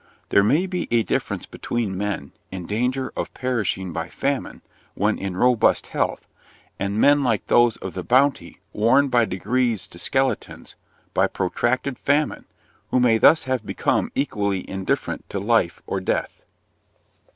There may be a difference between men, in danger of perishing by famine, when in robust health, and men like those of the Bounty, worn by degrees to skeletons, by protracted famine, who may thus have become equally indifferent to life or death.